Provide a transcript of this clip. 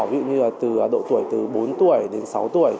ví dụ như từ độ tuổi từ bốn tuổi đến sáu tuổi